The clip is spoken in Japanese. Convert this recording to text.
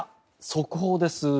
速報です。